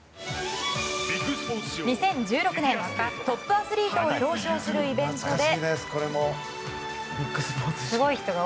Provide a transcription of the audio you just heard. ２０１６年、トップアスリートを表彰するイベントで。